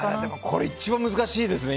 これ、一番難しいですね。